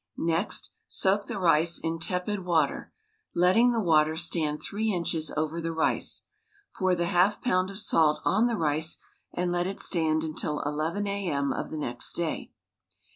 Next soak the rice in tepid water, letting the water stand three inches over the rice. Pour the half pound of salt on the rice and let it stand until ii a. m. of the next day.